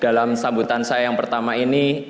dalam sambutan saya yang pertama ini